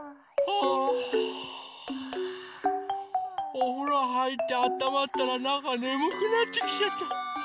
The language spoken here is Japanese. おふろはいってあったまったらなんかねむくなってきちゃった。